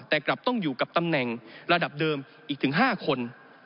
แต่กลับต้องอยู่กับตำแหน่งระดับเดิมอีกถึง๕คน